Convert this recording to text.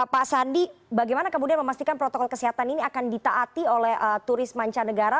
pak sandi bagaimana kemudian memastikan protokol kesehatan ini akan ditaati oleh turis mancanegara